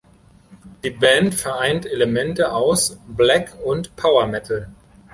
Die Band vereint Elemente aus Black- und Power Metal.